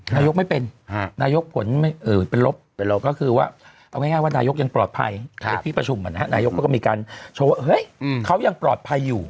นายกไม่เป็นนายกผลเป็นลบเป็นลบก็คือว่าเอาง่ายว่านายกยังปลอดภัยในที่ประชุมนายกเขาก็มีการโชว์ว่าเฮ้ยเขายังปลอดภัยอยู่